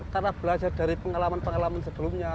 karena belajar dari pengalaman pengalaman sebelumnya